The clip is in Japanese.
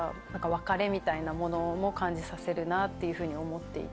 別れみたいなものも感じさせるなって思っていて。